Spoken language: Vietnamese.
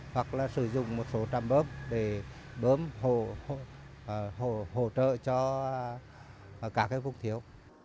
hoặc là sử dụng một số trăm bớm để bớm hồ trợ cho các phục thiếu